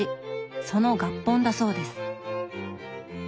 その合本だそうです。